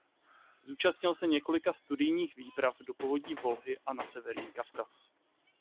Zúčastnil se několika studijních výprav do povodí Volhy a na severní Kavkaz.